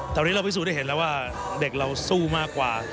แต่วันนี้เราพิสูจนได้เห็นแล้วว่าเด็กเราสู้มากกว่า